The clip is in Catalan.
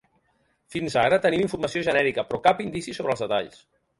Fins ara tenim informació genèrica, però cap indici sobre els detalls.